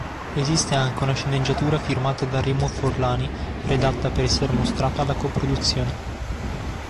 Esiste anche una sceneggiatura firmata da Remo Forlani, redatta per essere mostrata alla co-produzione.